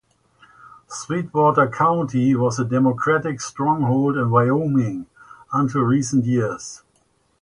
Sweetwater County was a Democratic stronghold in Wyoming until recent years.